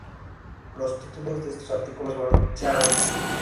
Los títulos de estos artículos fueron "¡Sea breve!